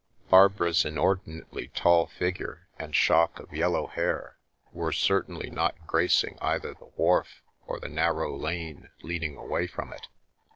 Barbara's inordinately tall figure and shock r yellow hair were certainly not gracing either the wh f or the narrow lane leading away from it.